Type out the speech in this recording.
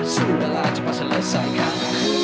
sudahlah coba selesaikan